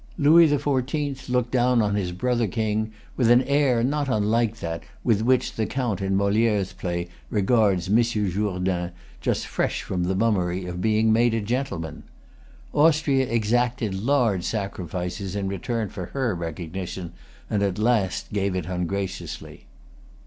Louis the Fourteenth looked down on his brother King with an air not unlike that with which the Count in Molière's play regards Monsieur Jourdain, just fresh from the mummery of being made a gentleman. Austria exacted large sacrifices in return for her recognition, and at last gave it ungraciously.